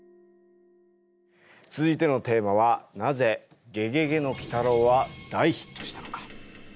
続いてのテーマはなぜ「ゲゲゲの鬼太郎」は大ヒットしたのか。